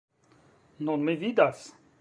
Nun mi vidas.